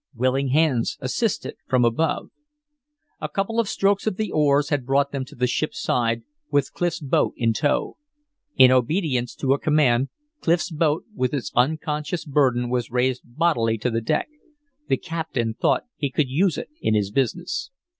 Willing hands assisted from above. A couple of strokes of the oars had brought them to the ship's side, with Clif's boat in tow. In obedience to a command, Clif's boat with its unconscious burden was raised bodily to the deck. The captain thought he could use it in his business.